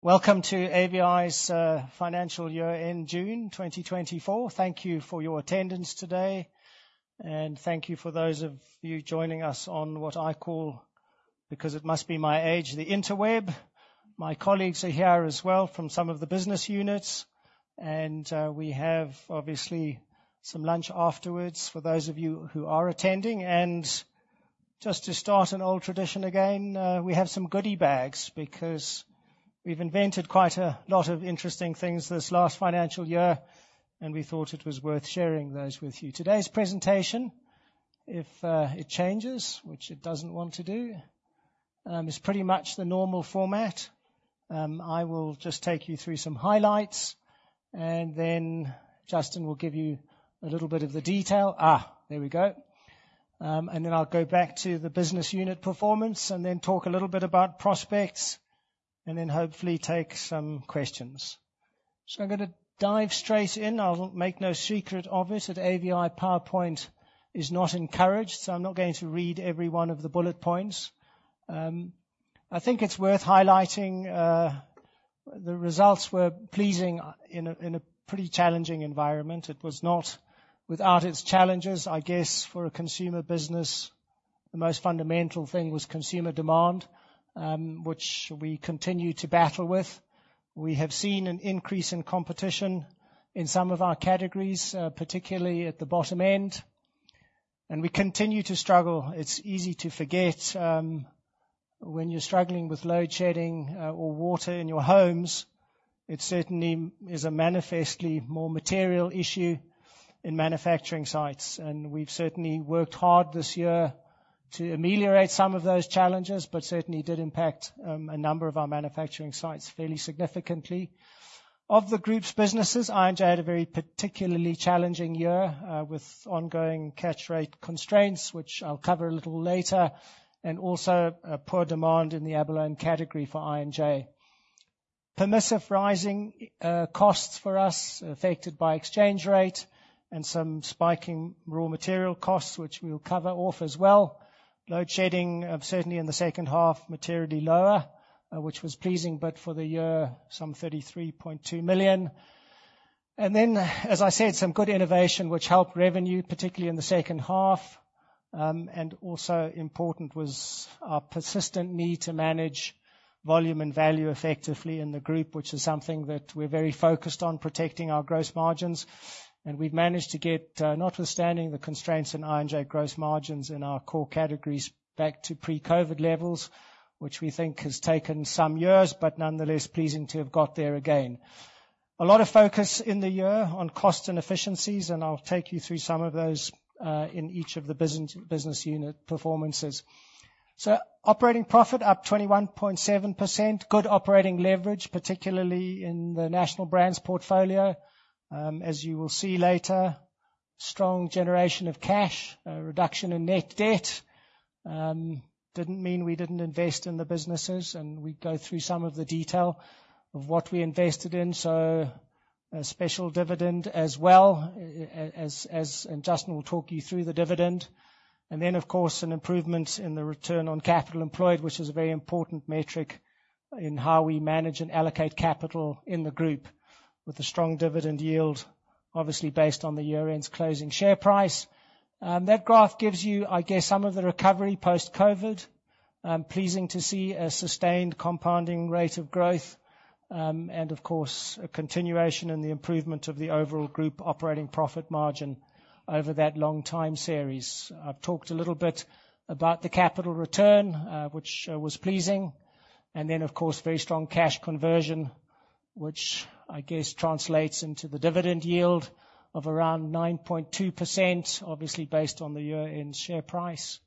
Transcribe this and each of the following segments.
Welcome to AVI's financial year in June 2024. Thank you for your attendance today, and thank you for those of you joining us on what I call, because it must be my age, the interweb. My colleagues are here as well from some of the business units, and we have obviously some lunch afterwards for those of you who are attending. Just to start an old tradition again, we have some goodie bags because we've invented quite a lot of interesting things this last financial year, and we thought it was worth sharing those with you. Today's presentation, if it changes, which it doesn't want to do, is pretty much the normal format. I will just take you through some highlights, and then Justin will give you a little bit of the detail. There we go. I'll go back to the business unit performance and then talk a little bit about prospects and then hopefully take some questions. I'm going to dive straight in. I'll make no secret of it. AVI PowerPoint is not encouraged, so I'm not going to read every one of the bullet points. I think it's worth highlighting the results were pleasing in a pretty challenging environment. It was not without its challenges. I guess for a consumer business, the most fundamental thing was consumer demand, which we continue to battle with. We have seen an increase in competition in some of our categories, particularly at the bottom end, and we continue to struggle. It's easy to forget when you're struggling with load shedding or water in your homes. It certainly is a manifestly more material issue in manufacturing sites, and we've certainly worked hard this year to ameliorate some of those challenges, but certainly did impact a number of our manufacturing sites fairly significantly. Of the group's businesses, I&J had a very particularly challenging year with ongoing catch rate constraints, which I'll cover a little later, and also poor demand in the Abalone category for I&J. Permissive rising costs for us affected by exchange rate and some spiking raw material costs, which we'll cover off as well. Load shedding, certainly in the second half, materially lower, which was pleasing, but for the year, some 33.2 million. As I said, some good innovation, which helped revenue, particularly in the second half. Also important was our persistent need to manage volume and value effectively in the group, which is something that we're very focused on, protecting our gross margins. We've managed to get, notwithstanding the constraints in I&J, gross margins in our core categories back to pre-COVID levels, which we think has taken some years, but nonetheless pleasing to have got there again. A lot of focus in the year on costs and efficiencies, and I'll take you through some of those in each of the business unit performances. Operating profit up 21.7%, good operating leverage, particularly in the National Brands portfolio, as you will see later. Strong generation of cash, a reduction in net debt did not mean we did not invest in the businesses, and we go through some of the detail of what we invested in. A special dividend as well, and Justin will talk you through the dividend. Of course, an improvement in the return on capital employed, which is a very important metric in how we manage and allocate capital in the group, with a strong dividend yield, obviously based on the year-end's closing share price. That graph gives you, I guess, some of the recovery post-COVID. Pleasing to see a sustained compounding rate of growth and, of course, a continuation in the improvement of the overall group operating profit margin over that long time series. I've talked a little bit about the capital return, which was pleasing. Of course, very strong cash conversion, which I guess translates into the dividend yield of around 9.2%, obviously based on the year-end share price.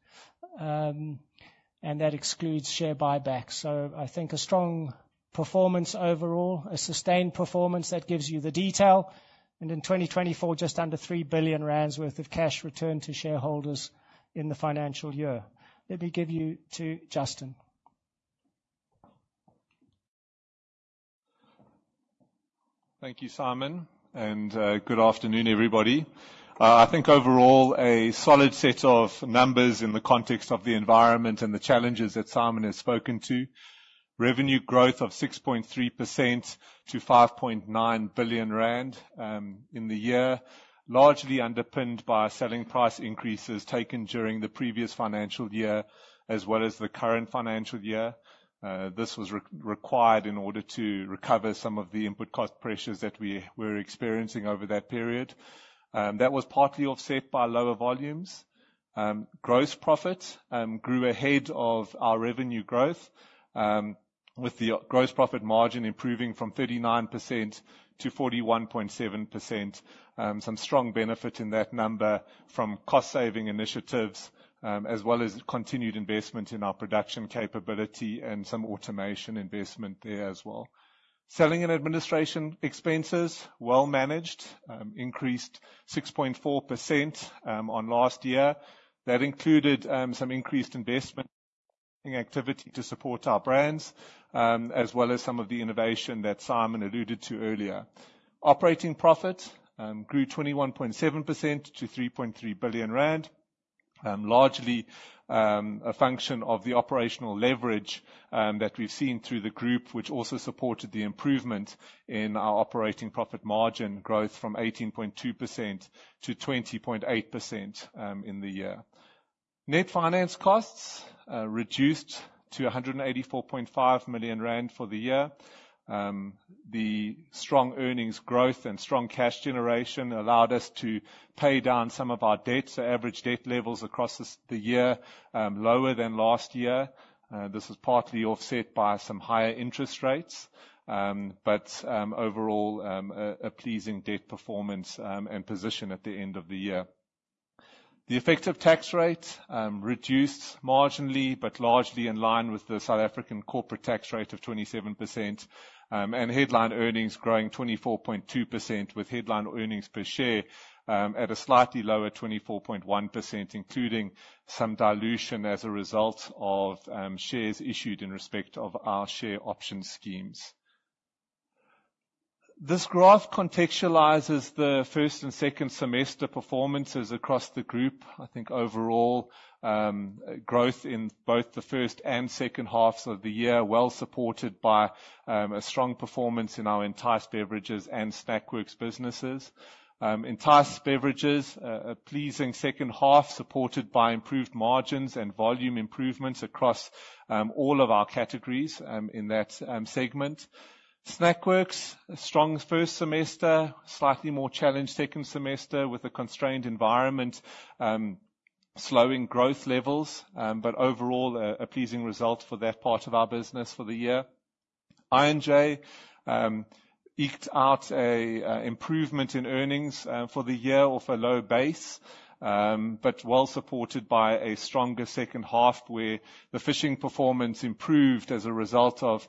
That excludes share buyback. I think a strong performance overall, a sustained performance that gives you the detail. In 2024, just under 3 billion rand worth of cash returned to shareholders in the financial year. Let me give you to Justin. Thank you, Simon, and good afternoon, everybody. I think overall, a solid set of numbers in the context of the environment and the challenges that Simon has spoken to. Revenue growth of 6.3% to 5.9 billion rand in the year, largely underpinned by selling price increases taken during the previous financial year, as well as the current financial year. This was required in order to recover some of the input cost pressures that we were experiencing over that period. That was partly offset by lower volumes. Gross profits grew ahead of our revenue growth, with the gross profit margin improving from 39% to 41.7%. Some strong benefits in that number from cost-saving initiatives, as well as continued investment in our production capability and some automation investment there as well. Selling and administration expenses well managed, increased 6.4% on last year. That included some increased investment in activity to support our brands, as well as some of the innovation that Simon alluded to earlier. Operating profit grew 21.7% to 3.3 billion rand, largely a function of the operational leverage that we've seen through the group, which also supported the improvement in our operating profit margin growth from 18.2% to 20.8% in the year. Net finance costs reduced to 184.5 million rand for the year. The strong earnings growth and strong cash generation allowed us to pay down some of our debt. Average debt levels across the year lower than last year. This was partly offset by some higher interest rates, but overall, a pleasing debt performance and position at the end of the year. The effective tax rate reduced marginally, but largely in line with the South African corporate tax rate of 27%, and headline earnings growing 24.2% with headline earnings per share at a slightly lower 24.1%, including some dilution as a result of shares issued in respect of our share option schemes. This graph contextualizes the first and second semester performances across the group. I think overall growth in both the first and second halves of the year, well supported by a strong performance in our Entyce Beverages and Snackworks businesses. Entyce Beverages, a pleasing second half supported by improved margins and volume improvements across all of our categories in that segment. Snackworks, a strong first semester, slightly more challenged second semester with a constrained environment, slowing growth levels, but overall a pleasing result for that part of our business for the year. I&J eked out an improvement in earnings for the year off a low base, but well supported by a stronger second half where the fishing performance improved as a result of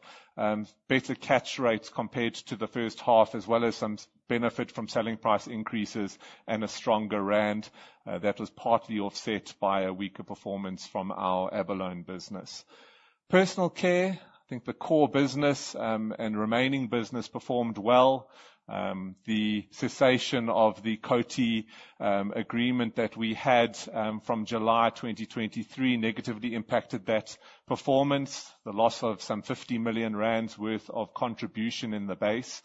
better catch rates compared to the first half, as well as some benefit from selling price increases and a stronger rand that was partly offset by a weaker performance from our Abalone business. Personal care, I think the core business and remaining business performed well. The cessation of the Coty agreement that we had from July 2023 negatively impacted that performance, the loss of some 50 million rand worth of contribution in the base.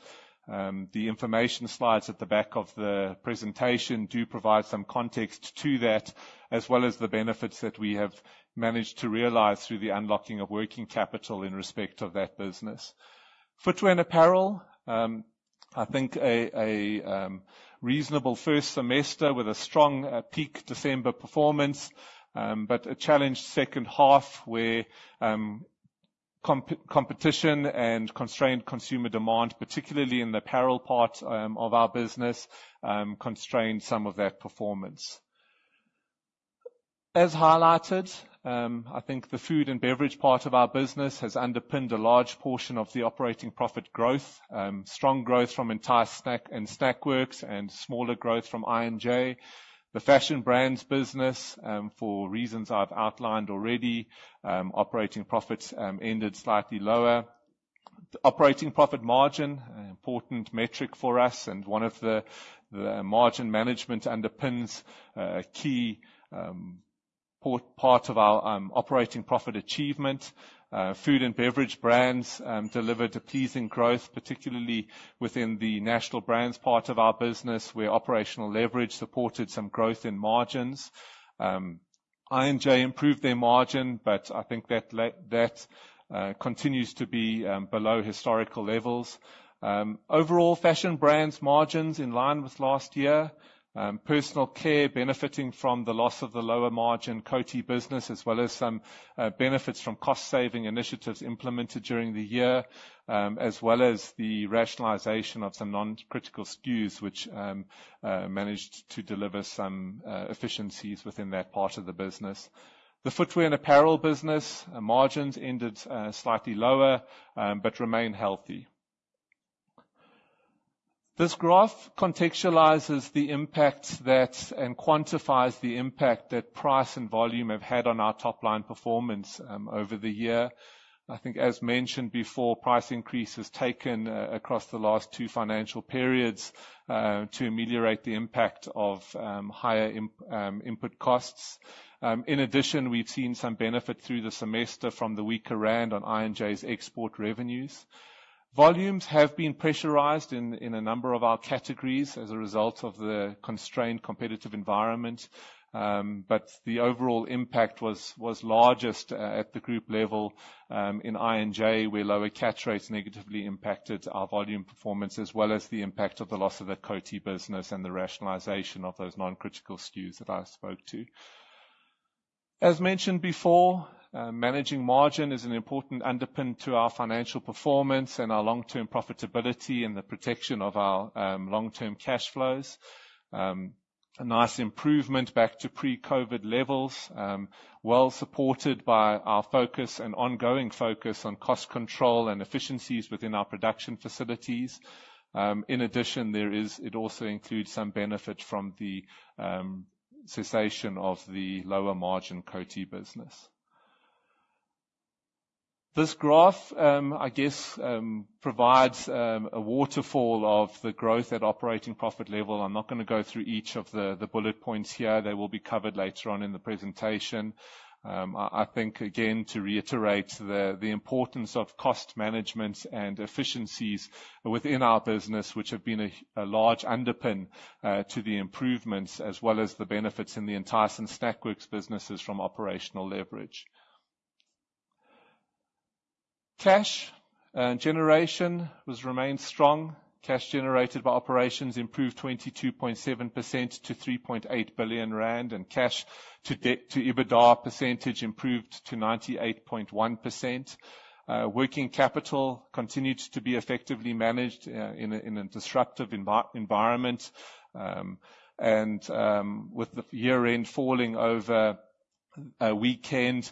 The information slides at the back of the presentation do provide some context to that, as well as the benefits that we have managed to realize through the unlocking of working capital in respect of that business. Footwear and apparel, I think a reasonable first semester with a strong peak December performance, but a challenged second half where competition and constrained consumer demand, particularly in the apparel part of our business, constrained some of that performance. As highlighted, I think the food and beverage part of our business has underpinned a large portion of the operating profit growth. Strong growth from Entyce and Snackworks and smaller growth from I&J. The fashion brands business, for reasons I've outlined already, operating profits ended slightly lower. Operating profit margin, an important metric for us and one of the margin management underpins a key part of our operating profit achievement. Food and beverage brands delivered a pleasing growth, particularly within the National Brands part of our business, where operating leverage supported some growth in margins. I&J improved their margin, but I think that continues to be below historical levels. Overall, fashion brands margins in line with last year. Personal care benefiting from the loss of the lower margin Coty business, as well as some benefits from cost-saving initiatives implemented during the year, as well as the rationalization of some non-critical SKUs, which managed to deliver some efficiencies within that part of the business. The footwear and apparel business, margins ended slightly lower, but remain healthy. This graph contextualizes the impact that and quantifies the impact that price and volume have had on our top line performance over the year. I think, as mentioned before, price increases taken across the last two financial periods to ameliorate the impact of higher input costs. In addition, we've seen some benefit through the semester from the weaker rand on I&J's export revenues. Volumes have been pressurized in a number of our categories as a result of the constrained competitive environment, but the overall impact was largest at the group level in I&J, where lower catch rates negatively impacted our volume performance, as well as the impact of the loss of the Coty business and the rationalization of those non-critical SKUs that I spoke to. As mentioned before, managing margin is an important underpin to our financial performance and our long-term profitability and the protection of our long-term cash flows. A nice improvement back to pre-COVID levels, well supported by our focus and ongoing focus on cost control and efficiencies within our production facilities. In addition, it also includes some benefit from the cessation of the lower margin Coty business. This graph, I guess, provides a waterfall of the growth at operating profit level. I'm not going to go through each of the bullet points here. They will be covered later on in the presentation. I think, again, to reiterate the importance of cost management and efficiencies within our business, which have been a large underpin to the improvements, as well as the benefits in the Entyce and Snackworks businesses from operational leverage. Cash generation has remained strong. Cash generated by operations improved 22.7% to 3.8 billion rand, and cash to EBITDA percentage improved to 98.1%. Working capital continued to be effectively managed in a disruptive environment. With the year-end falling over a weekend,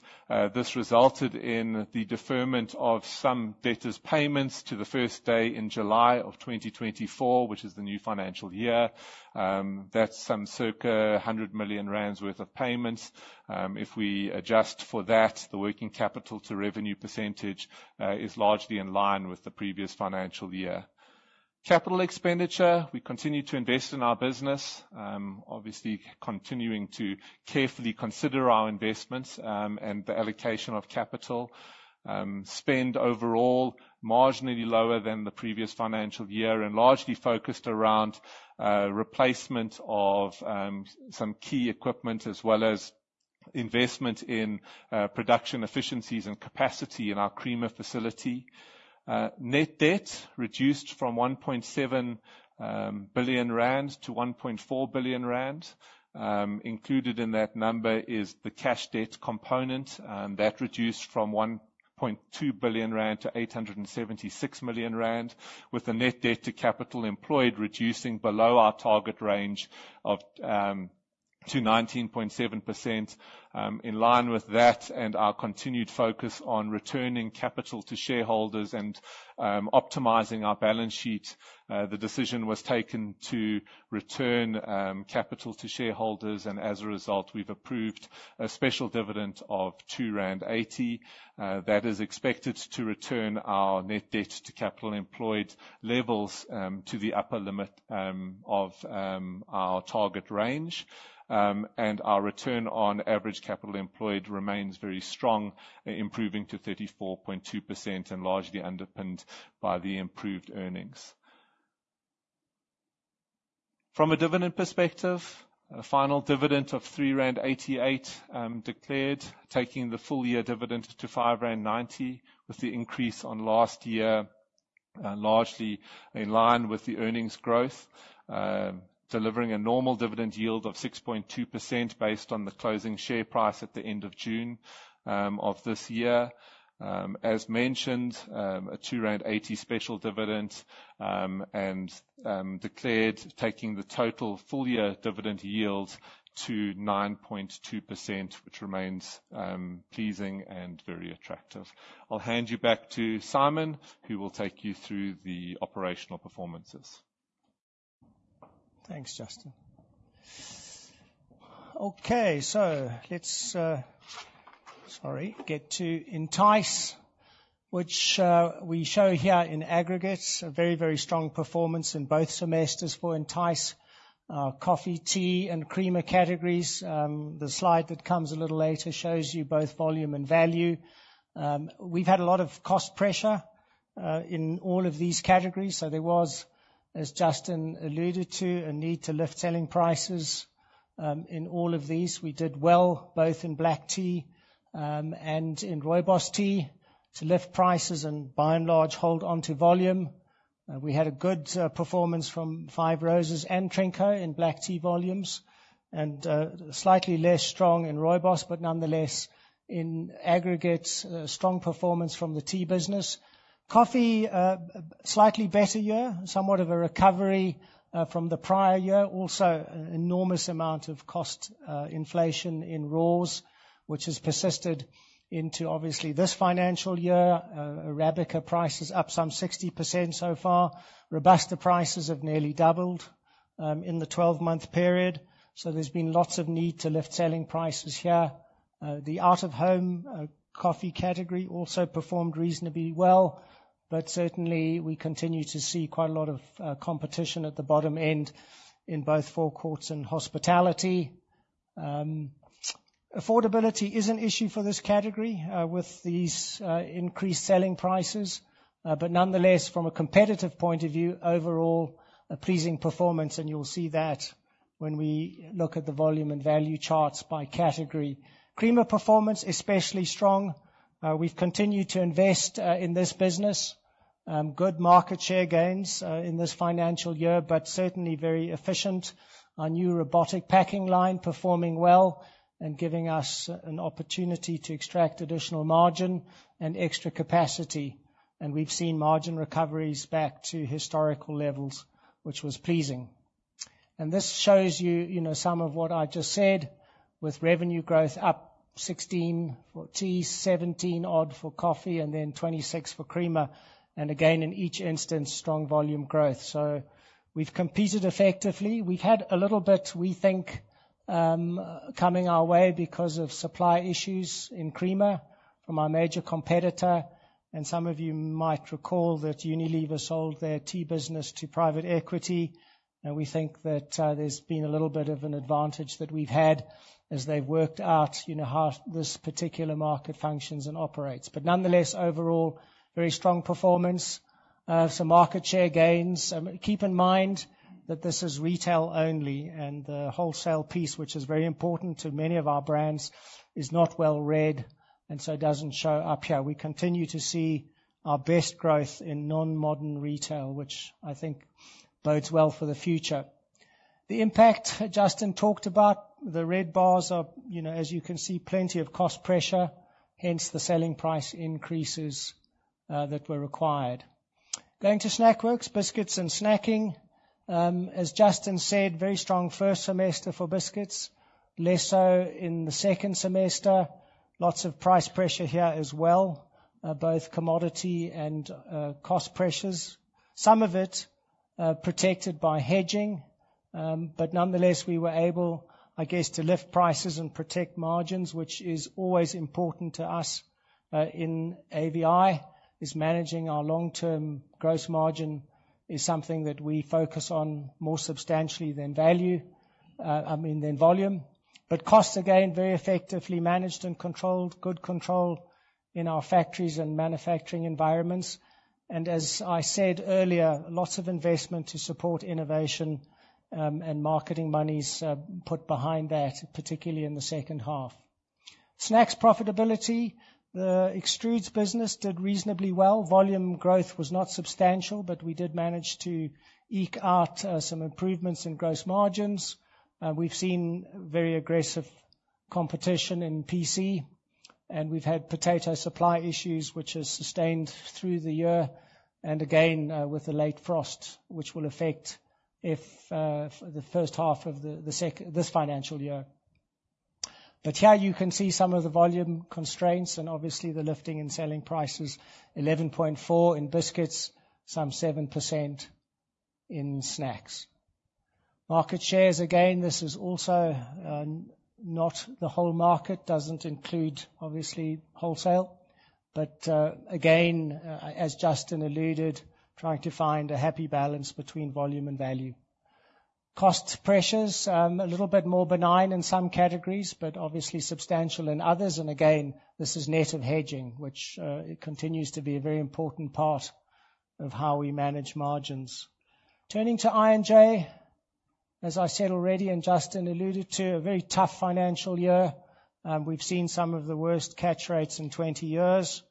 this resulted in the deferment of some debtors' payments to the first day in July of 2024, which is the new financial year. That is some circa 100 million rand worth of payments. If we adjust for that, the working capital to revenue percentage is largely in line with the previous financial year. Capital expenditure, we continue to invest in our business, obviously continuing to carefully consider our investments and the allocation of capital. Spend overall marginally lower than the previous financial year and largely focused around replacement of some key equipment, as well as investment in production efficiencies and capacity in our creamer facility. Net debt reduced from 1.7 billion rand to 1.4 billion rand. Included in that number is the cash debt component, and that reduced from 1.2 billion rand to 876 million rand, with the net debt to capital employed reducing below our target range to 19.7%. In line with that and our continued focus on returning capital to shareholders and optimizing our balance sheet, the decision was taken to return capital to shareholders, and as a result, we've approved a special dividend of 2.80 rand. That is expected to return our net debt to capital employed levels to the upper limit of our target range. Our return on average capital employed remains very strong, improving to 34.2% and largely underpinned by the improved earnings. From a dividend perspective, a final dividend of 3.88 rand declared, taking the full year dividend to 5.90 rand, with the increase on last year largely in line with the earnings growth, delivering a normal dividend yield of 6.2% based on the closing share price at the end of June of this year. As mentioned, a 2.80 rand special dividend and declared, taking the total full year dividend yield to 9.2%, which remains pleasing and very attractive. I'll hand you back to Simon, who will take you through the operational performances. Thanks, Justin. Okay, let's get to Entyce, which we show here in aggregate, a very, very strong performance in both semesters for Entyce, our coffee, tea, and creamer categories. The slide that comes a little later shows you both volume and value. We've had a lot of cost pressure in all of these categories. There was, as Justin alluded to, a need to lift selling prices in all of these. We did well both in black tea and in rooibos tea to lift prices and by and large hold on to volume. We had a good performance from Five Roses and Trinco in black tea volumes and slightly less strong in rooibos, but nonetheless in aggregate, a strong performance from the tea business. Coffee, slightly better year, somewhat of a recovery from the prior year. Also, an enormous amount of cost inflation in raws, which has persisted into obviously this financial year. Arabica prices up some 60% so far. Robusta prices have nearly doubled in the 12-month period. There has been lots of need to lift selling prices here. The out-of-home coffee category also performed reasonably well, but certainly we continue to see quite a lot of competition at the bottom end in both forecourts and hospitality. Affordability is an issue for this category with these increased selling prices, but nonetheless, from a competitive point of view, overall a pleasing performance, and you'll see that when we look at the volume and value charts by category. Creamer performance, especially strong. We've continued to invest in this business. Good market share gains in this financial year, but certainly very efficient. Our new robotic packing line performing well and giving us an opportunity to extract additional margin and extra capacity. We've seen margin recoveries back to historical levels, which was pleasing. This shows you some of what I just said with revenue growth up 16% for tea, 17% for coffee, and then 26% for creamer. In each instance, strong volume growth. We've competed effectively. We've had a little bit, we think, coming our way because of supply issues in creamer from our major competitor. Some of you might recall that Unilever sold their tea business to private equity. We think that there's been a little bit of an advantage that we've had as they've worked out how this particular market functions and operates. Nonetheless, overall, very strong performance, some market share gains. Keep in mind that this is retail only, and the wholesale piece, which is very important to many of our brands, is not well read and so does not show up here. We continue to see our best growth in non-modern retail, which I think bodes well for the future. The impact Justin talked about, the red bars are, as you can see, plenty of cost pressure, hence the selling price increases that were required. Going to Snackworks, biscuits and snacking. As Justin said, very strong first semester for biscuits, less so in the second semester. Lots of price pressure here as well, both commodity and cost pressures. Some of it protected by hedging, but nonetheless, we were able, I guess, to lift prices and protect margins, which is always important to us in AVI. Managing our long-term gross margin is something that we focus on more substantially than value, I mean, than volume. Costs again, very effectively managed and controlled, good control in our factories and manufacturing environments. As I said earlier, lots of investment to support innovation and marketing monies put behind that, particularly in the second half. Snacks profitability, the extrudes business did reasonably well. Volume growth was not substantial, but we did manage to eke out some improvements in gross margins. We've seen very aggressive competition in PC, and we've had potato supply issues, which has sustained through the year. With the late frost, which will affect the first half of this financial year. Here you can see some of the volume constraints and obviously the lifting and selling prices, 11.4% in biscuits, some 7% in snacks. Market shares again, this is also not the whole market, does not include obviously wholesale. As Justin alluded, trying to find a happy balance between volume and value. Cost pressures, a little bit more benign in some categories, obviously substantial in others. This is net of hedging, which continues to be a very important part of how we manage margins. Turning to I&J, as I said already and Justin alluded to, a very tough financial year. We have seen some of the worst catch rates in 20 years,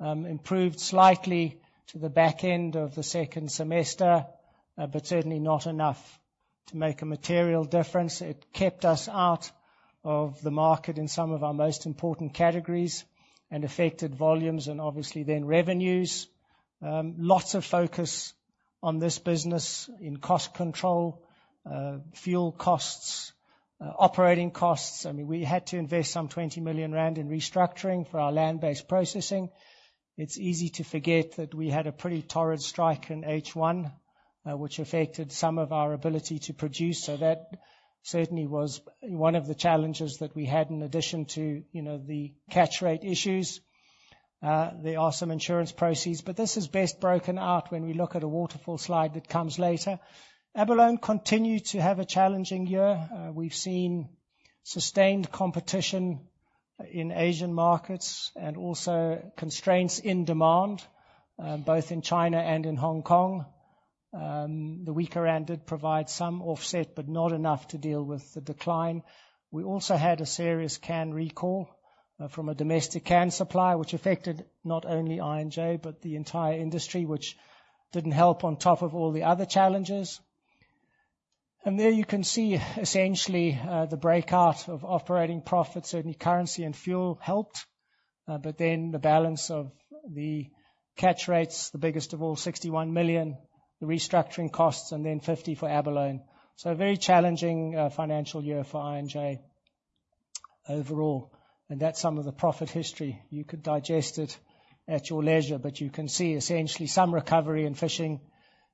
improved slightly to the back end of the second semester, but certainly not enough to make a material difference. It kept us out of the market in some of our most important categories and affected volumes and obviously then revenues. Lots of focus on this business in cost control, fuel costs, operating costs. I mean, we had to invest some 20 million rand in restructuring for our land-based processing. It's easy to forget that we had a pretty torrid strike in H1, which affected some of our ability to produce. That certainly was one of the challenges that we had in addition to the catch rate issues. There are some insurance proceeds, but this is best broken out when we look at a waterfall slide that comes later. Abalone continued to have a challenging year. We've seen sustained competition in Asian markets and also constraints in demand, both in China and in Hong Kong. The weaker rand did provide some offset, but not enough to deal with the decline. We also had a serious can recall from a domestic can supply, which affected not only I&J, but the entire industry, which didn't help on top of all the other challenges. There you can see essentially the breakout of operating profits. Certainly, currency and fuel helped, but then the balance of the catch rates, the biggest of all, 61 million, the restructuring costs, and then 50 million for abalone. A very challenging financial year for I&J overall. That is some of the profit history. You could digest it at your leisure, but you can see essentially some recovery in fishing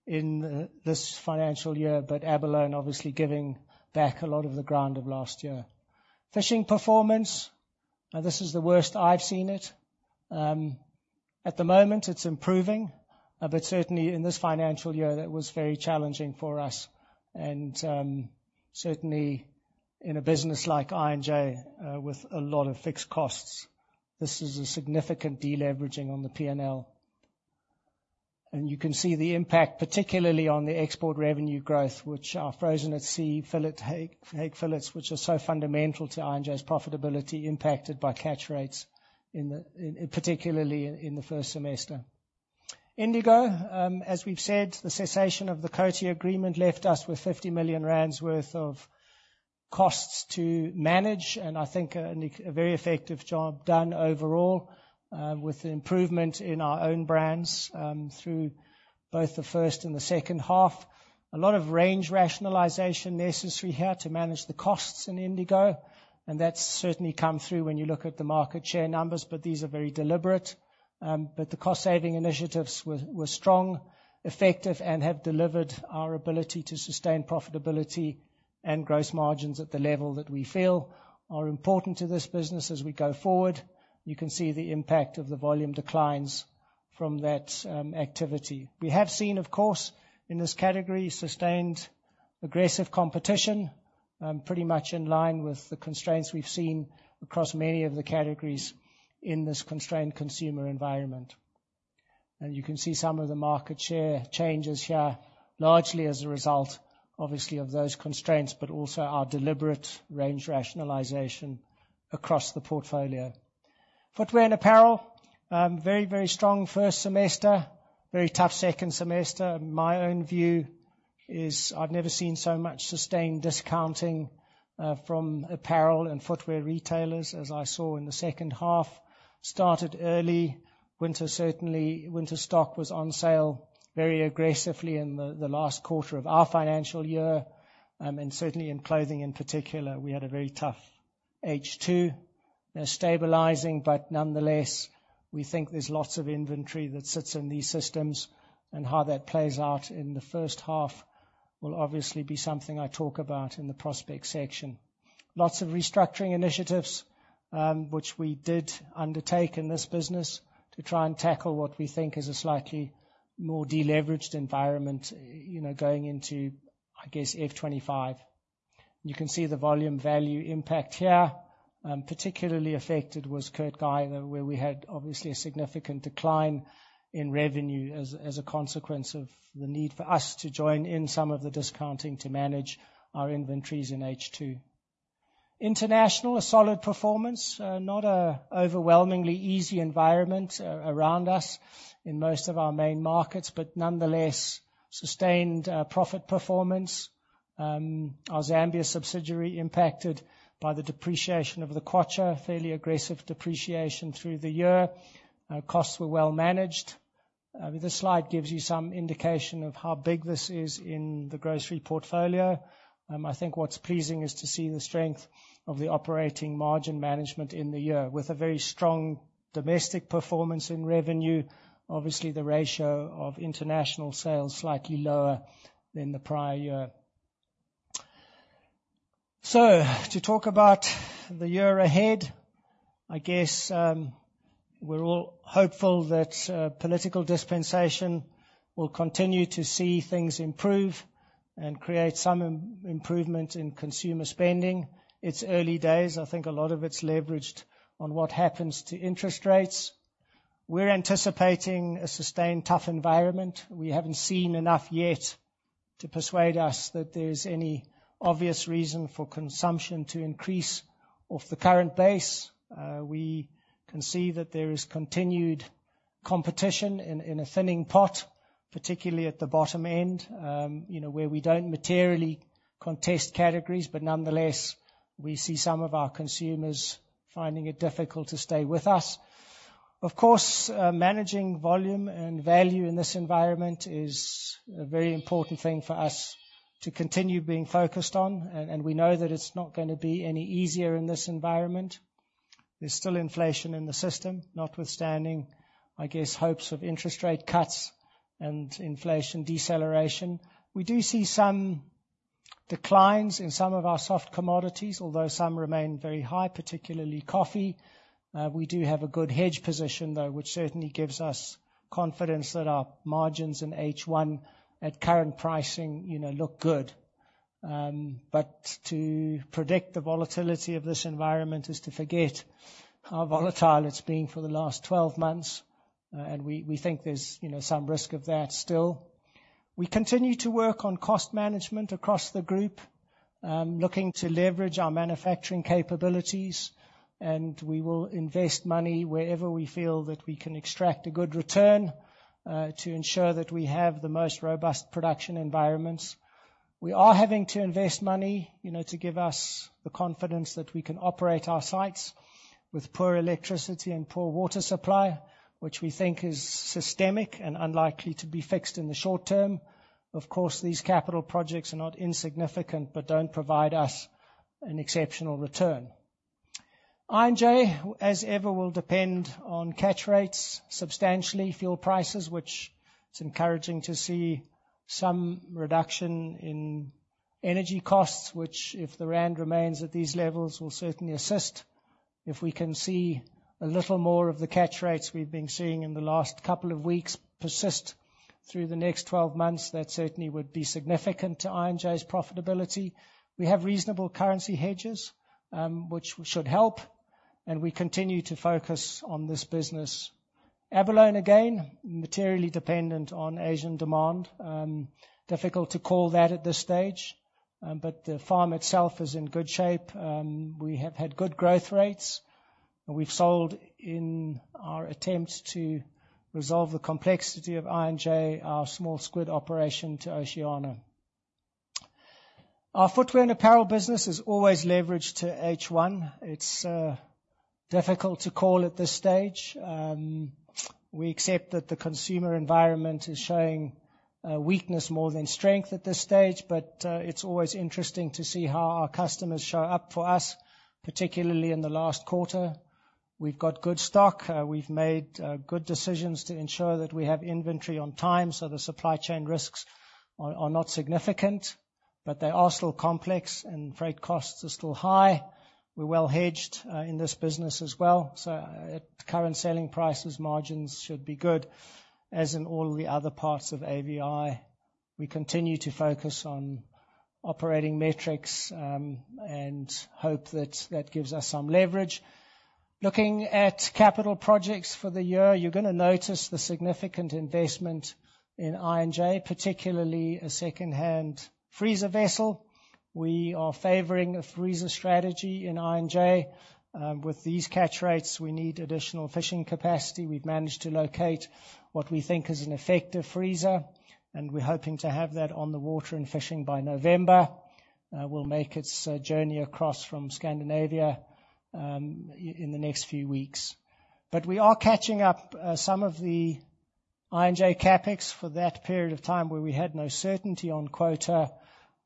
in this financial year, but abalone obviously giving back a lot of the ground of last year. Fishing performance, this is the worst I've seen it. At the moment, it's improving, but certainly in this financial year, that was very challenging for us. Certainly in a business like I&J with a lot of fixed costs, this is a significant deleveraging on the P&L. You can see the impact, particularly on the export revenue growth, which are frozen at sea fillet, hake fillets, which are so fundamental to I&J's profitability, impacted by catch rates, particularly in the first semester. Indigo, as we've said, the cessation of the Coty agreement left us with 50 million rand worth of costs to manage, and I think a very effective job done overall with the improvement in our own brands through both the first and the second half. A lot of range rationalization necessary here to manage the costs in Indigo, and that's certainly come through when you look at the market share numbers, but these are very deliberate. The cost-saving initiatives were strong, effective, and have delivered our ability to sustain profitability and gross margins at the level that we feel are important to this business as we go forward. You can see the impact of the volume declines from that activity. We have seen, of course, in this category, sustained aggressive competition, pretty much in line with the constraints we've seen across many of the categories in this constrained consumer environment. You can see some of the market share changes here, largely as a result, obviously, of those constraints, but also our deliberate range rationalization across the portfolio. Footwear and apparel, very, very strong first semester, very tough second semester. My own view is I've never seen so much sustained discounting from apparel and footwear retailers, as I saw in the second half. It started early, winter certainly, winter stock was on sale very aggressively in the last quarter of our financial year. Certainly in clothing in particular, we had a very tough H2. They're stabilizing, but nonetheless, we think there's lots of inventory that sits in these systems, and how that plays out in the first half will obviously be something I talk about in the prospect section. Lots of restructuring initiatives, which we did undertake in this business to try and tackle what we think is a slightly more deleveraged environment going into, I guess, F2025. You can see the volume value impact here. Particularly affected was Kurt Geiger, where we had obviously a significant decline in revenue as a consequence of the need for us to join in some of the discounting to manage our inventories in H2. International, a solid performance, not an overwhelmingly easy environment around us in most of our main markets, but nonetheless, sustained profit performance. Our Zambia subsidiary impacted by the depreciation of the ZMW, fairly aggressive depreciation through the year. Costs were well managed. This slide gives you some indication of how big this is in the grocery portfolio. I think what's pleasing is to see the strength of the operating margin management in the year, with a very strong domestic performance in revenue. Obviously, the ratio of international sales slightly lower than the prior year. To talk about the year ahead, I guess we're all hopeful that political dispensation will continue to see things improve and create some improvement in consumer spending. It's early days. I think a lot of it's leveraged on what happens to interest rates. We're anticipating a sustained tough environment. We haven't seen enough yet to persuade us that there's any obvious reason for consumption to increase off the current base. We can see that there is continued competition in a thinning pot, particularly at the bottom end, where we do not materially contest categories, but nonetheless, we see some of our consumers finding it difficult to stay with us. Of course, managing volume and value in this environment is a very important thing for us to continue being focused on, and we know that it is not going to be any easier in this environment. There is still inflation in the system, notwithstanding, I guess, hopes of interest rate cuts and inflation deceleration. We do see some declines in some of our soft commodities, although some remain very high, particularly coffee. We do have a good hedge position, though, which certainly gives us confidence that our margins in H1 at current pricing look good. To predict the volatility of this environment is to forget how volatile it's been for the last 12 months, and we think there's some risk of that still. We continue to work on cost management across the group, looking to leverage our manufacturing capabilities, and we will invest money wherever we feel that we can extract a good return to ensure that we have the most robust production environments. We are having to invest money to give us the confidence that we can operate our sites with poor electricity and poor water supply, which we think is systemic and unlikely to be fixed in the short term. Of course, these capital projects are not insignificant, but don't provide us an exceptional return. I&J, as ever, will depend on catch rates substantially, fuel prices, which it's encouraging to see some reduction in energy costs, which, if the ZAR remains at these levels, will certainly assist. If we can see a little more of the catch rates we've been seeing in the last couple of weeks persist through the next 12 months, that certainly would be significant to I&J's profitability. We have reasonable currency hedges, which should help, and we continue to focus on this business. Abalone, again, materially dependent on Asian demand. Difficult to call that at this stage, but the farm itself is in good shape. We have had good growth rates. We've sold in our attempts to resolve the complexity of I&J, our small squid operation to Oceana. Our footwear and apparel business is always leveraged to H1. It's difficult to call at this stage. We accept that the consumer environment is showing weakness more than strength at this stage, but it's always interesting to see how our customers show up for us, particularly in the last quarter. We've got good stock. We've made good decisions to ensure that we have inventory on time so the supply chain risks are not significant, but they are still complex and freight costs are still high. We're well hedged in this business as well, so current selling prices margins should be good, as in all of the other parts of AVI. We continue to focus on operating metrics and hope that that gives us some leverage. Looking at capital projects for the year, you're going to notice the significant investment in I&J, particularly a second-hand freezer vessel. We are favoring a freezer strategy in I&J. With these catch rates, we need additional fishing capacity. We've managed to locate what we think is an effective freezer, and we're hoping to have that on the water and fishing by November. We'll make its journey across from Scandinavia in the next few weeks. We are catching up some of the I&J CapEx for that period of time where we had no certainty on quota.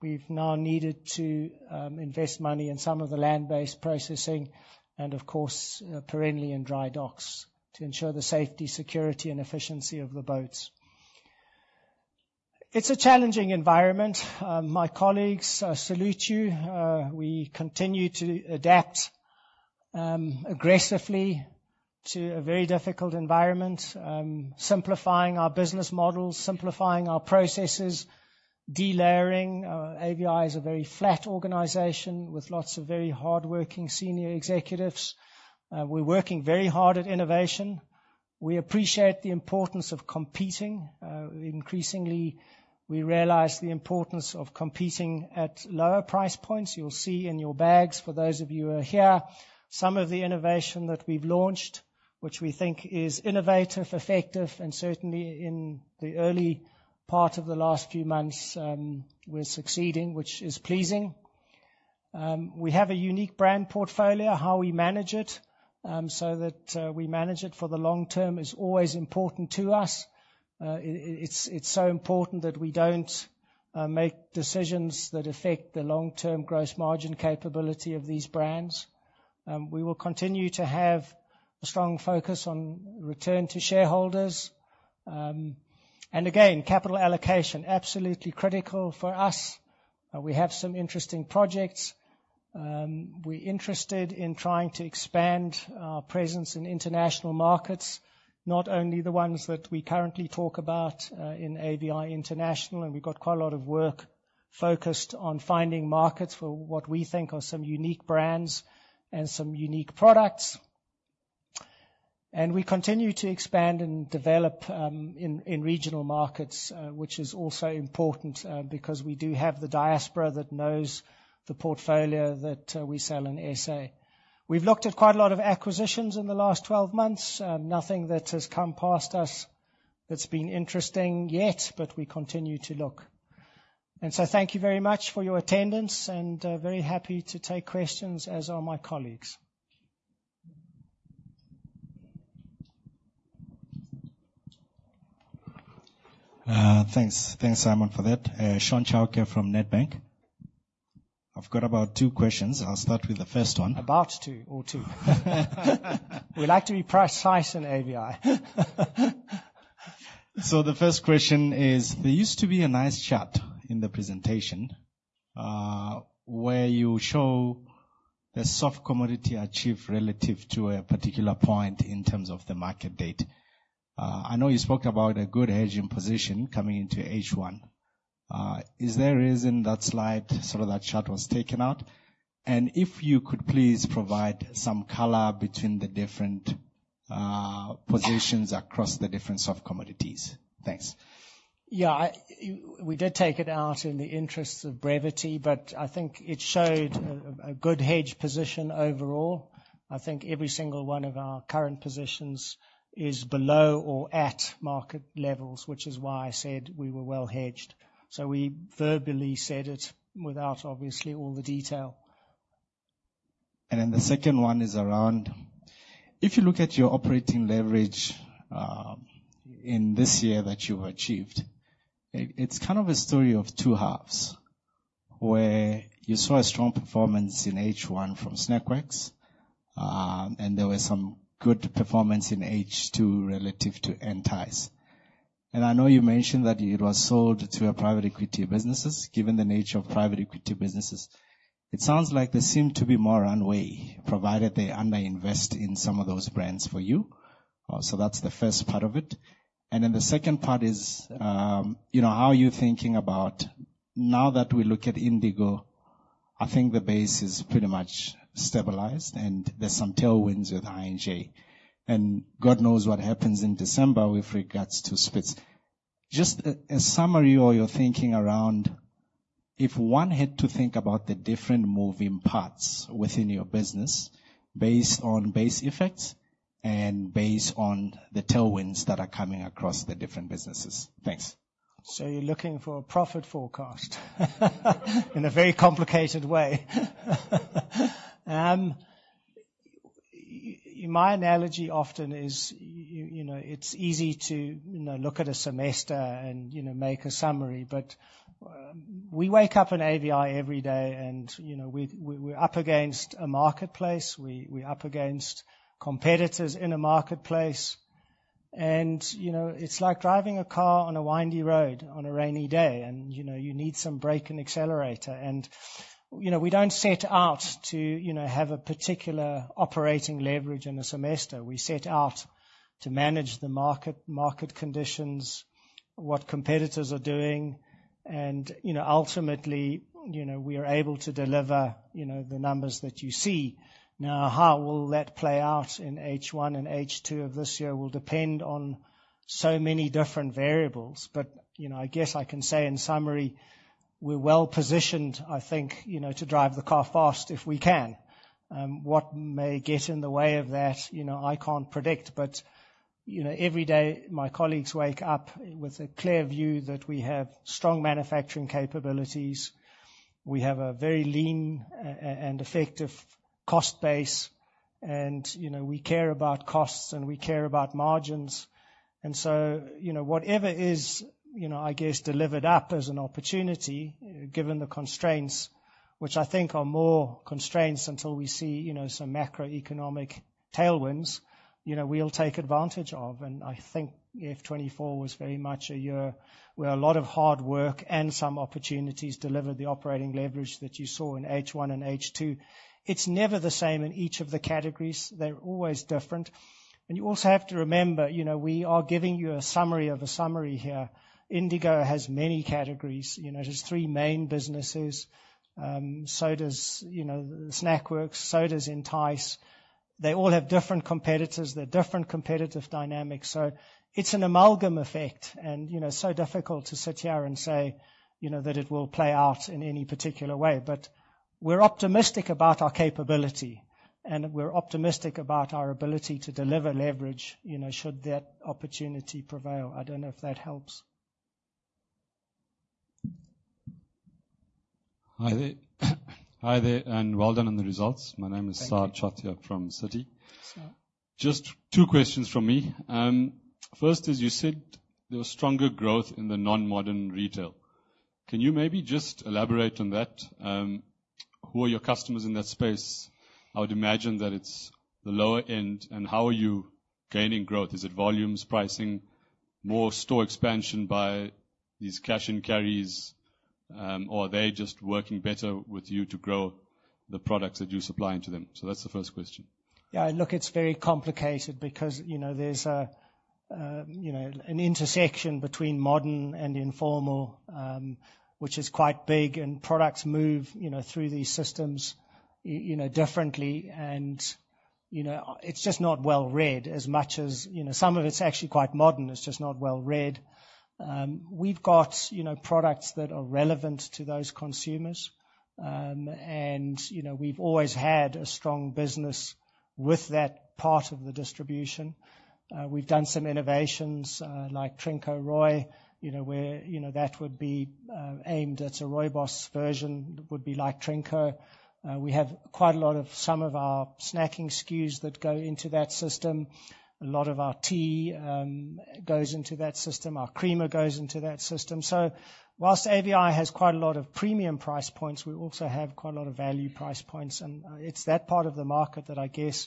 We've now needed to invest money in some of the land-based processing and, of course, perennially in dry docks to ensure the safety, security, and efficiency of the boats. It's a challenging environment. My colleagues salute you. We continue to adapt aggressively to a very difficult environment, simplifying our business models, simplifying our processes, de-layering. AVI is a very flat organization with lots of very hardworking senior executives. We're working very hard at innovation. We appreciate the importance of competing. Increasingly, we realize the importance of competing at lower price points. You'll see in your bags, for those of you who are here, some of the innovation that we've launched, which we think is innovative, effective, and certainly in the early part of the last few months, we're succeeding, which is pleasing. We have a unique brand portfolio. How we manage it so that we manage it for the long term is always important to us. It's so important that we don't make decisions that affect the long-term gross margin capability of these brands. We will continue to have a strong focus on return to shareholders. Again, capital allocation, absolutely critical for us. We have some interesting projects. We're interested in trying to expand our presence in international markets, not only the ones that we currently talk about in AVI International. We have quite a lot of work focused on finding markets for what we think are some unique brands and some unique products. We continue to expand and develop in regional markets, which is also important because we do have the diaspora that knows the portfolio that we sell in SA. We have looked at quite a lot of acquisitions in the last 12 months. Nothing that has come past us that has been interesting yet, but we continue to look. Thank you very much for your attendance and very happy to take questions, as are my colleagues. Thanks, Simon, for that. Shaun Chauke from Nedbank. I have about two questions. I will start with the first one. About two or two. We like to be precise in AVI. The first question is, there used to be a nice chart in the presentation where you show the soft commodity achieved relative to a particular point in terms of the market date. I know you spoke about a good hedging position coming into H1. Is there a reason that slide, sort of that chart was taken out? If you could please provide some color between the different positions across the different soft commodities. Thanks. Yeah, we did take it out in the interests of brevity, but I think it showed a good hedge position overall. I think every single one of our current positions is below or at market levels, which is why I said we were well hedged. We verbally said it without, obviously, all the detail. The second one is around, if you look at your operating leverage in this year that you achieved, it's kind of a story of two halves where you saw a strong performance in H1 from Snackworks, and there was some good performance in H2 relative to Entyce. I know you mentioned that it was sold to private equity businesses. Given the nature of private equity businesses, it sounds like they seem to be more runway, provided they underinvest in some of those brands for you. That's the first part of it. The second part is, how are you thinking about now that we look at Indigo? I think the base is pretty much stabilized, and there's some tailwinds with I&J. God knows what happens in December with regards to splits. Just a summary of your thinking around, if one had to think about the different moving parts within your business based on base effects and based on the tailwinds that are coming across the different businesses. Thanks You're looking for a profit forecast in a very complicated way. My analogy often is, it's easy to look at a semester and make a summary, but we wake up in AVI every day, and we're up against a marketplace. We're up against competitors in a marketplace. It's like driving a car on a windy road on a rainy day, and you need some brake and accelerator. We don't set out to have a particular operating leverage in a semester. We set out to manage the market conditions, what competitors are doing. Ultimately, we are able to deliver the numbers that you see. Now, how will that play out in H1 and H2 of this year will depend on so many different variables. I guess I can say in summary, we're well positioned, I think, to drive the car fast if we can. What may get in the way of that, I can't predict. Every day, my colleagues wake up with a clear view that we have strong manufacturing capabilities. We have a very lean and effective cost base. We care about costs, and we care about margins. Whatever is, I guess, delivered up as an opportunity, given the constraints, which I think are more constraints until we see some macroeconomic tailwinds, we'll take advantage of. I think F2024 was very much a year where a lot of hard work and some opportunities delivered the operating leverage that you saw in H1 and H2. It's never the same in each of the categories. They're always different. You also have to remember, we are giving you a summary of a summary here. Indigo has many categories. There are three main businesses. Snackworks, so does, Entyce. They all have different competitors. They have different competitive dynamics. It is an amalgam effect. It is so difficult to sit here and say that it will play out in any particular way. We are optimistic about our capability, and we are optimistic about our ability to deliver leverage should that opportunity prevail. I do not know if that helps. Hi there. Hi there, and well done on the results. My name is Sa'ad Chothia from Citi. Just two questions from me. First, as you said, there was stronger growth in the non-modern retail. Can you maybe just elaborate on that? Who are your customers in that space? I would imagine that it's the lower end. How are you gaining growth? Is it volumes, pricing, more store expansion by these cash and carries, or are they just working better with you to grow the products that you're supplying to them? That's the first question. Yeah, look, it's very complicated because there's an intersection between modern and informal, which is quite big. Products move through these systems differently. It's just not well read. As much as some of it's actually quite modern, it's just not well read. We've got products that are relevant to those consumers. We've always had a strong business with that part of the distribution. We've done some innovations like Trinco Rooi, where that would be aimed at a Rooibos version that would be like Trinco. We have quite a lot of some of our snacking SKUs that go into that system. A lot of our tea goes into that system. Our creamer goes into that system. Whilst AVI has quite a lot of premium price points, we also have quite a lot of value price points. It is that part of the market that I guess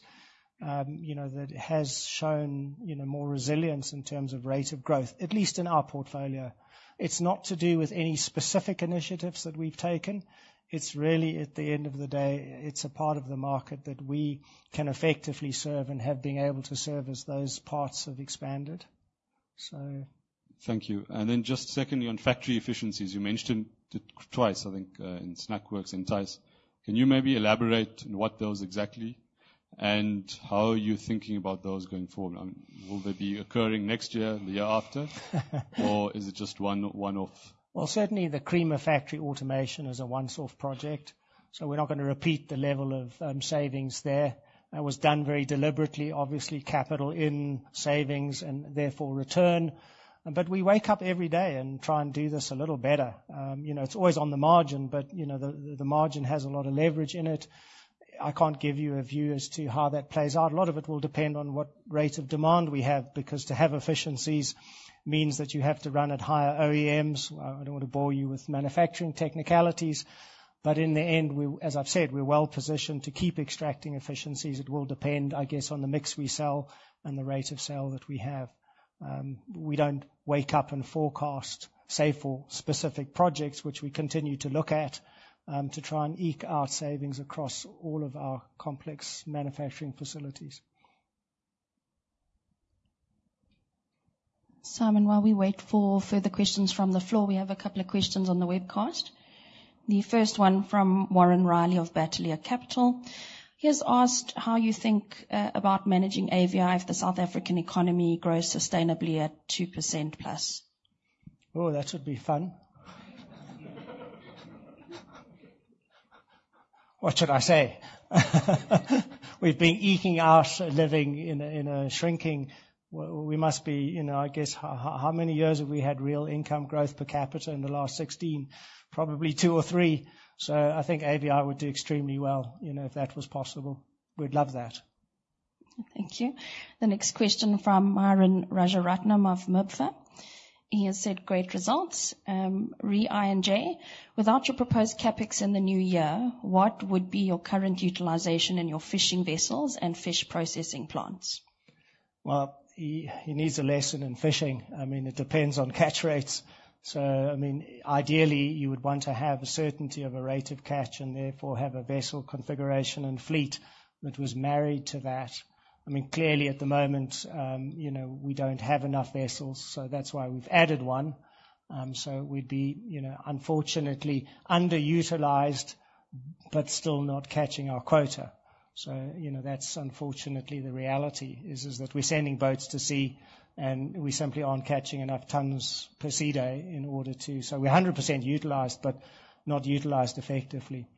has shown more resilience in terms of rate of growth, at least in our portfolio. It is not to do with any specific initiatives that we have taken. It is really, at the end of the day, a part of the market that we can effectively serve and have been able to serve as those parts have expanded. Thank you. Then just secondly, on factory efficiencies, you mentioned twice, I think, in Snackworks and Entyce. Can you maybe elaborate on what those exactly are and how are you thinking about those going forward? Will they be occurring next year, the year after, or is it just one off? Certainly, the creamer factory automation is a one-off project. We are not going to repeat the level of savings there. That was done very deliberately, obviously, capital in savings and therefore return. We wake up every day and try and do this a little better. It is always on the margin, but the margin has a lot of leverage in it. I cannot give you a view as to how that plays out. A lot of it will depend on what rate of demand we have because to have efficiencies means that you have to run at higher OEMs. I do not want to bore you with manufacturing technicalities. In the end, as I've said, we're well positioned to keep extracting efficiencies. It will depend, I guess, on the mix we sell and the rate of sale that we have. We don't wake up and forecast, say, for specific projects, which we continue to look at to try and eke out savings across all of our complex manufacturing facilities. Simon, while we wait for further questions from the floor, we have a couple of questions on the webcast. The first one from Warren Riley of Bateleur Capital. He has asked how you think about managing AVI if the South African economy grows sustainably at 2% plus. Oh, that would be fun. What should I say? We've been eating our living in a shrinking. We must be, I guess, how many years have we had real income growth per capita in the last 16? Probably two or three. I think AVI would do extremely well if that was possible. We'd love that. Thank you. The next question from Mervin Rajaratnam of Mazi. He has said great results. Ree Inge, without your proposed CapEx in the new year, what would be your current utilization in your fishing vessels and fish processing plants? He needs a lesson in fishing. I mean, it depends on catch rates. I mean, ideally, you would want to have a certainty of a rate of catch and therefore have a vessel configuration and fleet that was married to that. Clearly, at the moment, we do not have enough vessels. That is why we have added one. We would be, unfortunately, underutilized, but still not catching our quota. Unfortunately, the reality is that we are sending boats to sea, and we simply are not catching enough tons per sea day in order to. We're 100% utilized, but not utilized effectively.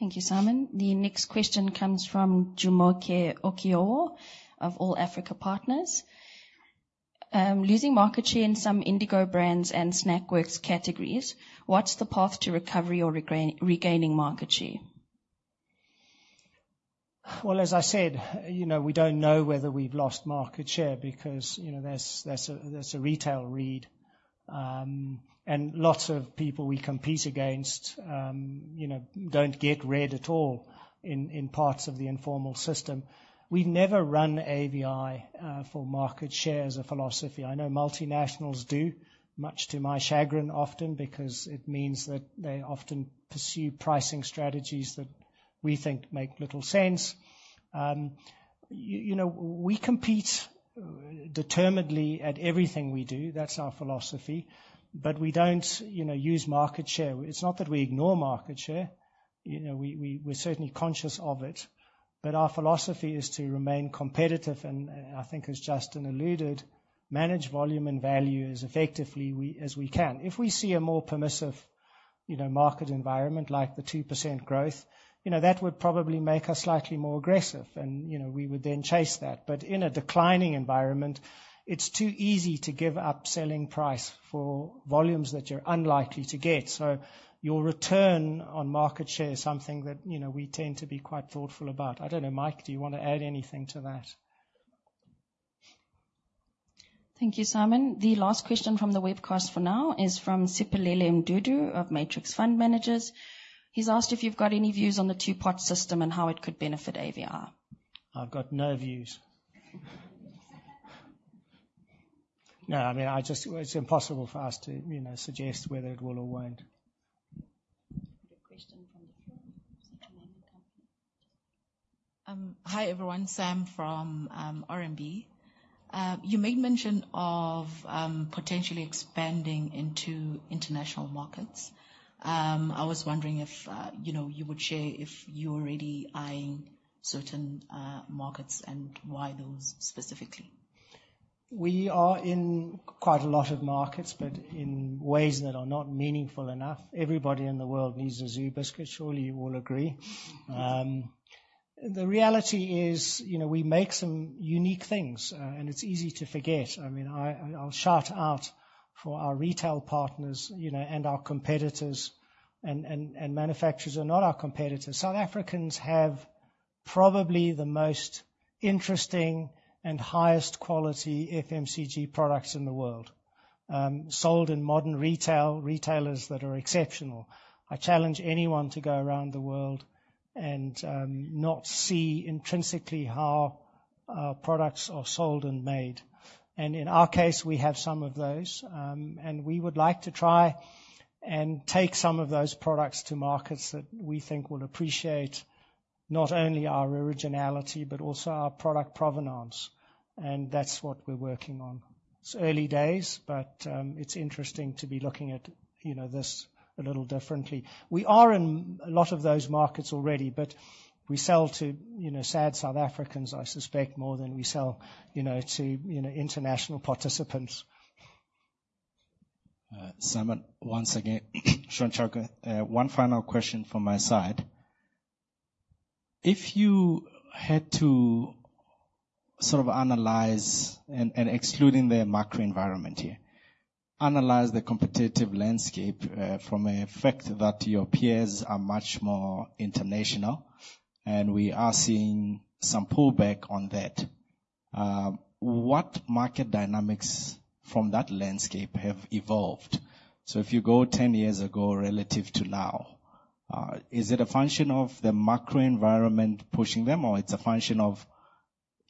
Thank you, Simon. The next question comes from Jumoke Okeowo of All Africa Partners. Losing market share in some Indigo Brands and Snackworks categories. What's the path to recovery or regaining market share? As I said, we don't know whether we've lost market share because that's a retail read. Lots of people we compete against don't get read at all in parts of the informal system. We never run AVI for market share as a philosophy. I know multinationals do, much to my chagrin often, because it means that they often pursue pricing strategies that we think make little sense. We compete determinedly at everything we do. That's our philosophy. We don't use market share. It's not that we ignore market share. We're certainly conscious of it. Our philosophy is to remain competitive. I think, as Justin alluded, manage volume and value as effectively as we can. If we see a more permissive market environment like the 2% growth, that would probably make us slightly more aggressive. We would then chase that. In a declining environment, it's too easy to give up selling price for volumes that you're unlikely to get. Your return on market share is something that we tend to be quite thoughtful about. I don't know, Mike, do you want to add anything to that? Thank you, Simon. The last question from the webcast for now is from Siphelele Shozi of Matrix Fund Managers. He's asked if you've got any views on the two-pot system and how it could benefit AVI. I've got no views. I mean, it's impossible for us to suggest whether it will or won't. Question from. Hi, everyone. Sam from RMB. You made mention of potentially expanding into international markets. I was wondering if you would share if you're already eyeing certain markets and why those specifically. We are in quite a lot of markets, but in ways that are not meaningful enough. Everybody in the world needs a Zoo Biscuit, surely you will agree. The reality is we make some unique things, and it's easy to forget. I mean, I'll shout out for our retail partners and our competitors, and manufacturers are not our competitors. South Africans have probably the most interesting and highest quality FMCG products in the world, sold in modern retail retailers that are exceptional. I challenge anyone to go around the world and not see intrinsically how products are sold and made. In our case, we have some of those. We would like to try and take some of those products to markets that we think will appreciate not only our originality, but also our product provenance. That's what we're working on. It's early days, but it's interesting to be looking at this a little differently. We are in a lot of those markets already, but we sell to sad South Africans, I suspect, more than we sell to international participants. Simon, once again, Shaun Chauke, one final question from my side. If you had to sort of analyze, and excluding the macro environment here, analyze the competitive landscape from an effect that your peers are much more international, and we are seeing some pullback on that, what market dynamics from that landscape have evolved? If you go 10 years ago relative to now, is it a function of the macro environment pushing them, or it's a function of,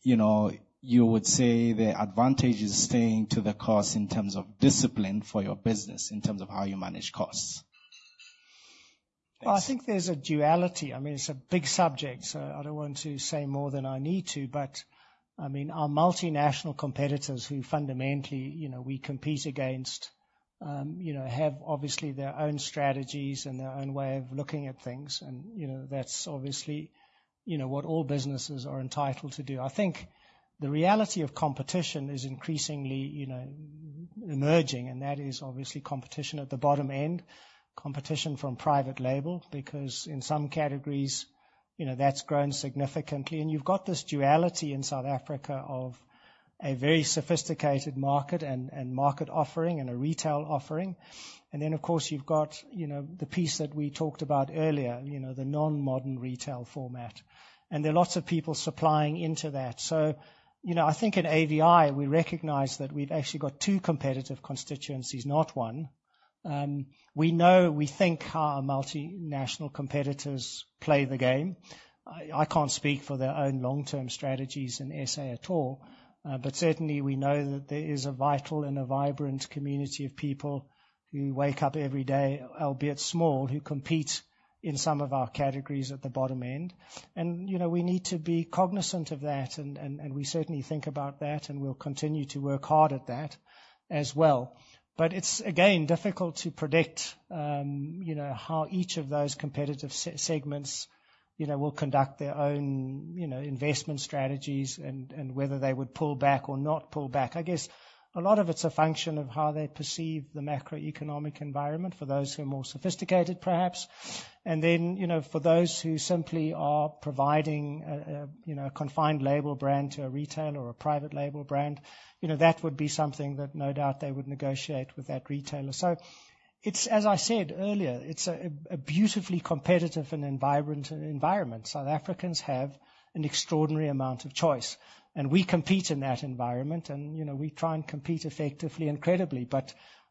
you would say, the advantage is staying to the cost in terms of discipline for your business, in terms of how you manage costs? I think there's a duality. I mean, it's a big subject. I don't want to say more than I need to. I mean, our multinational competitors who fundamentally we compete against have obviously their own strategies and their own way of looking at things. That's obviously what all businesses are entitled to do. I think the reality of competition is increasingly emerging. That is obviously competition at the bottom end, competition from private label, because in some categories, that's grown significantly. You have this duality in South Africa of a very sophisticated market and market offering and a retail offering. Of course, you have the piece that we talked about earlier, the non-modern retail format. There are lots of people supplying into that. I think in AVI, we recognize that we actually have two competitive constituencies, not one. We know, we think, how multinational competitors play the game. I cannot speak for their own long-term strategies in South Africa at all. Certainly, we know that there is a vital and a vibrant community of people who wake up every day, albeit small, who compete in some of our categories at the bottom end. We need to be cognizant of that. We certainly think about that, and we will continue to work hard at that as well. It's, again, difficult to predict how each of those competitive segments will conduct their own investment strategies and whether they would pull back or not pull back. I guess a lot of it's a function of how they perceive the macroeconomic environment for those who are more sophisticated, perhaps. For those who simply are providing a confined label brand to a retailer or a private label brand, that would be something that no doubt they would negotiate with that retailer. As I said earlier, it's a beautifully competitive and vibrant environment. South Africans have an extraordinary amount of choice. We compete in that environment. We try and compete effectively and credibly.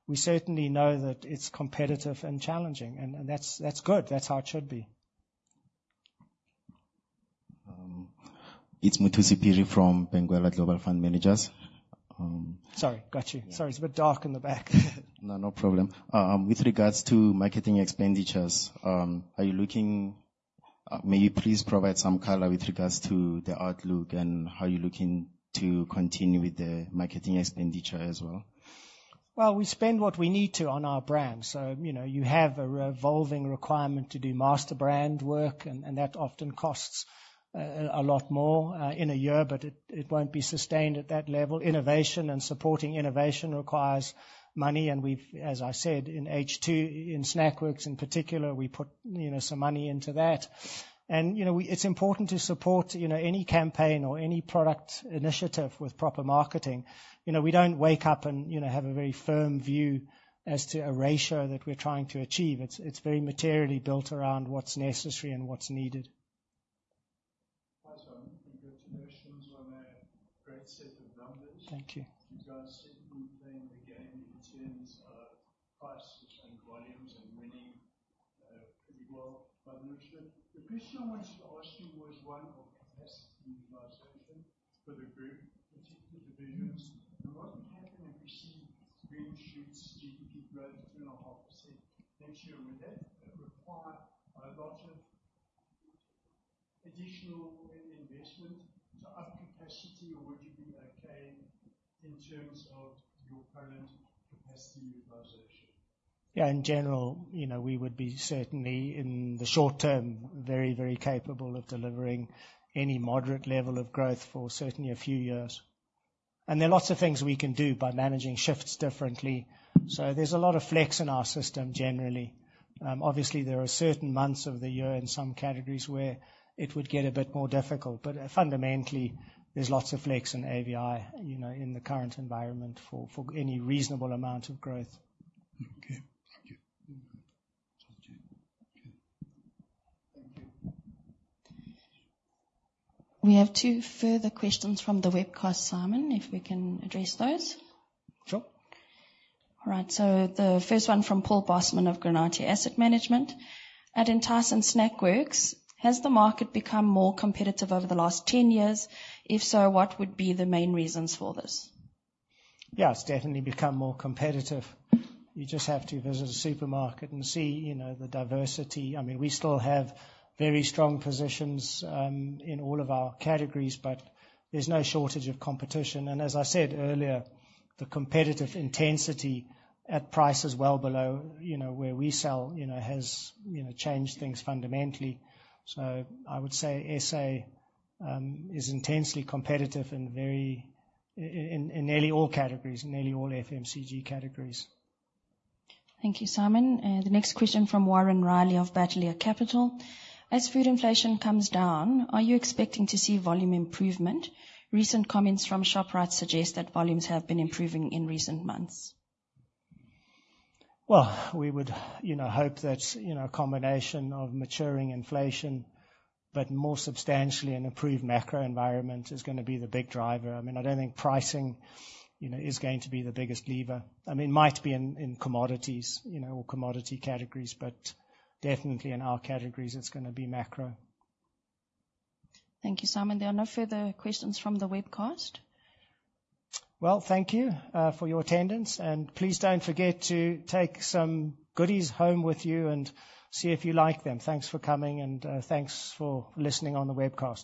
We certainly know that it's competitive and challenging. That's good. That's how it should be It's Mthunzi Zwane from Benguela Global Fund Managers. Sorry, got you. Sorry, it's a bit dark in the back. No, no problem. With regards to marketing expenditures, are you looking, may you please provide some color with regards to the outlook and how you're looking to continue with the marketing expenditure as well? We spend what we need to on our brand. You have a revolving requirement to do master brand work. That often costs a lot more in a year, but it won't be sustained at that level. Innovation and supporting innovation requires money. As I said, in H2, in Snackworks in particular, we put some money into that. It's important to support any campaign or any product initiative with proper marketing. We don't wake up and have a very firm view as to a ratio that we're trying to achieve. It's very materially built around what's necessary and what's needed. Those seem like great sets of numbers. Thank you. Keeps on sitting on the same again in terms of prices and volumes and winning as well. The position I wanted to ask you was one of the best in most of the group. It's the business. What happens if we see green shoots, GDP grows 2.5% next year, would that require a lot of additional investment to up capacity, or would you be okay in terms of your current capacity utilization? Yeah, in general, we would be certainly in the short term very, very capable of delivering any moderate level of growth for certainly a few years. There are lots of things we can do by managing shifts differently. There is a lot of flex in our system generally. Obviously, there are certain months of the year in some categories where it would get a bit more difficult. Fundamentally, there's lots of flex in AVI in the current environment for any reasonable amount of growth. Okay. Thank you. We have two further questions from the webcast, Simon, if we can address those. Sure. All right. The first one from Paul Bosman of Granate Asset Management. At Entyce and Snackworks, has the market become more competitive over the last 10 years? If so, what would be the main reasons for this? Yeah, it's definitely become more competitive. You just have to visit a supermarket and see the diversity. I mean, we still have very strong positions in all of our categories, but there's no shortage of competition. As I said earlier, the competitive intensity at prices well below where we sell has changed things fundamentally. I would say SA is intensely competitive in nearly all categories, nearly all FMCG categories. Thank you, Simon. The next question from Warren Riley of Bateleur Capital. As food inflation comes down, are you expecting to see volume improvement? Recent comments from Shoprite suggest that volumes have been improving in recent months. We would hope that a combination of maturing inflation, but more substantially an improved macro environment is going to be the big driver. I mean, I don't think pricing is going to be the biggest lever. I mean, it might be in commodities or commodity categories, but definitely in our categories, it's going to be macro. Thank you, Simon. There are no further questions from the webcast. Thank you for your attendance. Please don't forget to take some goodies home with you and see if you like them. Thanks for coming and thanks for listening on the webcast.